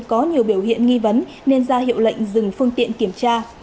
có nhiều biểu hiện nghi vấn nên ra hiệu lệnh dừng phương tiện kiểm tra